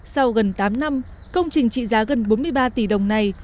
sau gần tám năm công trình trị giá gần bốn mươi ba tỷ đồng này